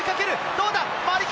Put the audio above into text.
どうだ？